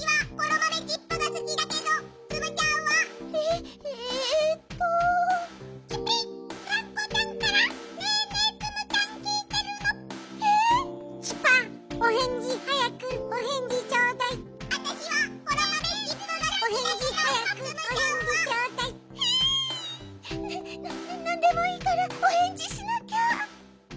なっなんでもいいからおへんじしなきゃ。